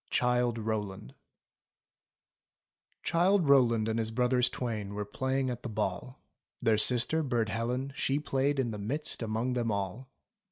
CHILDE ROWLAND Childe Rowland and his brothers twain Were playing at the ball. Their sister, Burd Helen, she played In the midst among them all.